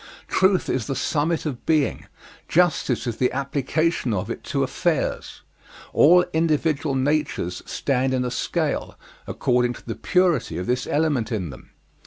Truth is the summit of being: justice is the application of it to affairs. All individual natures stand in a scale, according to the purity of this element in them.